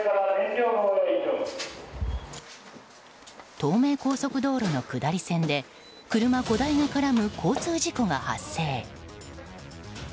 東名高速道路の下り線で車５台が絡む交通事故が発生。